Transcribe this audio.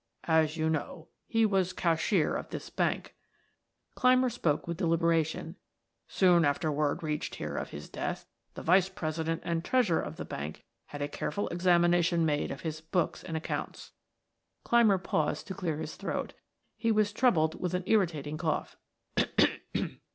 "As you know, he was cashier of this bank." Clymer spoke with deliberation. "Soon after word reached here of his death, the vice president and treasurer of the bank had a careful examination made of his books and accounts." Clymer paused to clear his throat; he was troubled with an irritating cough.